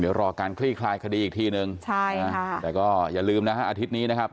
เดี๋ยวรอการคลี่คลายคดีอีกทีนึงใช่ค่ะแต่ก็อย่าลืมนะฮะอาทิตย์นี้นะครับ